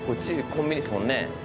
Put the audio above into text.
コンビニですもんね。